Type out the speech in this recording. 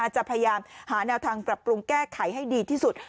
จะพยายามหาแนวทางปรับปรุงแก้ไขให้ดีที่สุด